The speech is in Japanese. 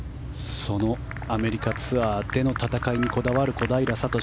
そのアメリカツアーでの戦いにこだわる小平智。